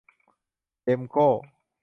เด็มโก้